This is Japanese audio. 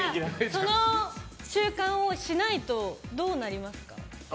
その習慣をしないとどうなりますか？